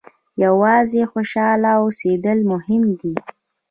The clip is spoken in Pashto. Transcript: یوازې خوشاله اوسېدل مهم دي.